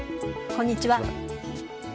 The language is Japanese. こんにちは。